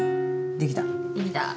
できた。